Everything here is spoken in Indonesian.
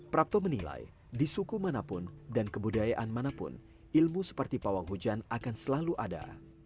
prapto menilai di suku manapun dan kebudayaan manapun ilmu seperti pawang hujan akan selalu ada